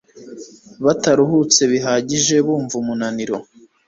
bataruhutse bihagije Bumva umunaniro